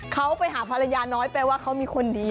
เขาไปหาภรรยาน้อยแปลว่าเขามีคนดี